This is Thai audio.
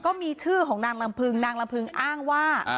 ก็มีชื่อของนางลำพึงนางลำพึงอ้างว่า